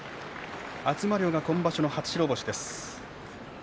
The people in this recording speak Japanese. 東龍は今場所の初白星です。